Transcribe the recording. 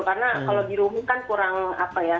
karena kalau di rumah kan kurang apa ya